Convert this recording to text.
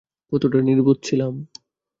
কতটা নির্বোধ ছিলাম!